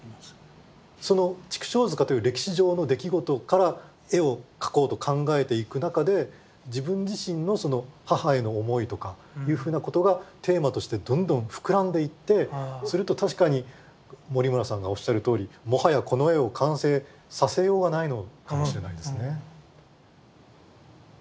その畜生塚という歴史上の出来事から絵を描こうと考えていく中で自分自身のその母への思いとかいうふうなことがテーマとしてどんどん膨らんでいってすると確かに森村さんがおっしゃるとおりもはやこの絵を完成させようがないのかもしれないですね。